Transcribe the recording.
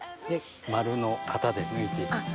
丸の型で抜いていきます。